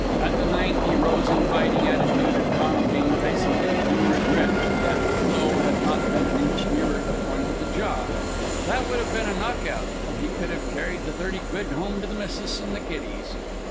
At the ninth he rose in fighting attitude, and Tom King, facing him, knew regret that the blow had not been an inch nearer the point of the jaw. That would have been a knock out, and he could have carried the thirty quid home to the missus and the kiddies.